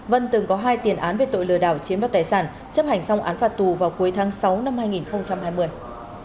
tầm bộ số tiền hơn bảy trăm linh triệu đồng chiếm đoạt được đối tượng sử dụng vào mục đích đánh bạc trên mạng